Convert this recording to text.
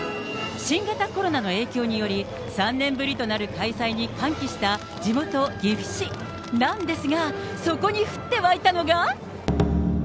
新型コロナの影響により、３年ぶりとなる開催に歓喜した地元、岐阜市なんですが、そこにふってわいたのが。